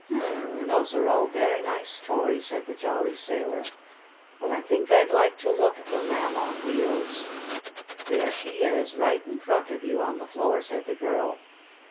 "Hum! those are all very nice toys," said the jolly sailor. "But I think I'd like to look at the Lamb on Wheels." "There she is, right in front of you, on the floor," said the girl.